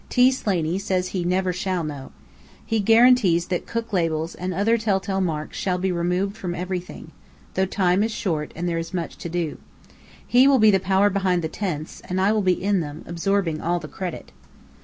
T. Slaney says he never shall know. He guarantees that Cook labels and other telltale marks shall be removed from everything, though time is short and there is much to do. He will be the power behind the tents, and I will be in them, absorbing all the credit.